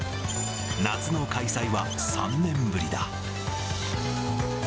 夏の開催は３年ぶりだ。